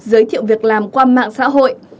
giới thiệu việc làm qua mạng xã hội